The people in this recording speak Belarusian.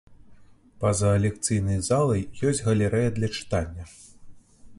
Па-за лекцыйнай залай ёсць галерэя для чытання.